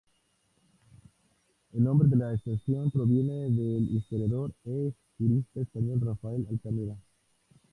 El nombre de la estación proviene del historiador e jurista español Rafael Altamira.